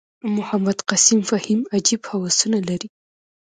محمد قسیم فهیم عجیب هوسونه لري.